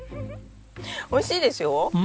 美味しいですよ。